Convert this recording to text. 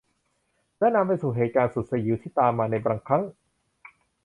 และนำไปสู่เหตุการณ์สุดสยิวที่ตามมาในบางครั้ง